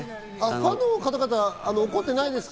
ファンの方々、怒ってないですか？